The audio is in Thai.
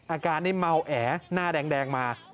อาการนี่เมาแอหน้าแดงมา